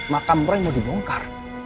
makam ruy mau dibongkar